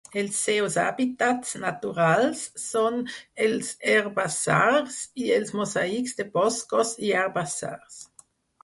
Els seus hàbitats naturals són els herbassars i els mosaics de boscos i herbassars.